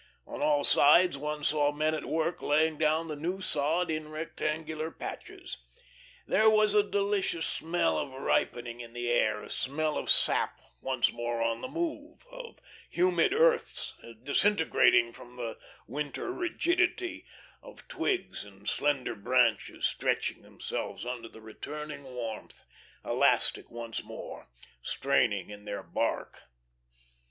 On all sides one saw men at work laying down the new sod in rectangular patches. There was a delicious smell of ripening in the air, a smell of sap once more on the move, of humid earths disintegrating from the winter rigidity, of twigs and slender branches stretching themselves under the returning warmth, elastic once more, straining in their bark.